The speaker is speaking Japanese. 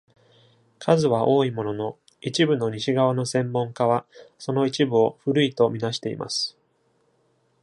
数は多いものの、一部の西側の専門家は、その一部を古いと見なしています。